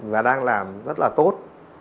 và đang làm rất là tốt